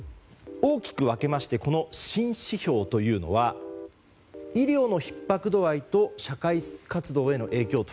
大きく分けてこの新指標というのは医療のひっ迫度合いと社会活動への影響